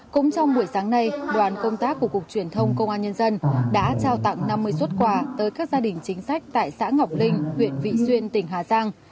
cũng trong buổi sáng nay đoàn công tác của cục truyền thông công an nhân dân đã trao tặng năm mươi xuất quà tới các gia đình chính sách tại xã ngọc linh huyện vị xuyên tỉnh hà giang